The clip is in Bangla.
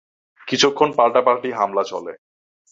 কিছুক্ষণ পাল্টা-পাল্টি হামলা চলে।